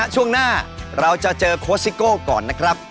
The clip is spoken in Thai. ช่วงหน้าเราจะเจอโค้ชซิโก้ก่อนนะครับ